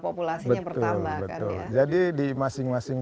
populasinya bertambah jadi di masing masing